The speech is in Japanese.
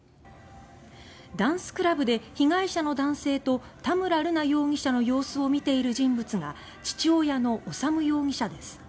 ダンスクラブで被害者の男性と田村瑠奈容疑者の様子を見ている人物が父親の修容疑者です。